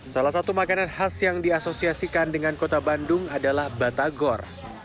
salah satu makanan khas yang diasosiasikan dengan kota bandung adalah batagor